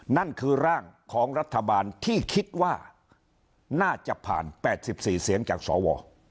นั่นคือร่างของรัฐบาลที่คิดว่าน่าจะผ่าน๘๔เสียงจากสว